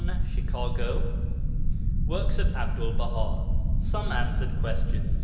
_ Chicago. Works of ABDUL BAHA: _Some Answered Questions.